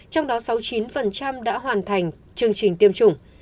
trong đó sáu mươi chín đã hoàn thành chương trình tiêm chủng